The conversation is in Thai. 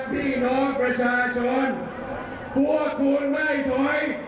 ผมพร้อมผมพร้อมที่จะเป็นราโยคราชบัตรี